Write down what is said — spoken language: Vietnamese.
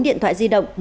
bốn điện thoại di động